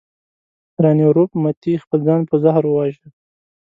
راني روپ متي خپل ځان په زهر وواژه.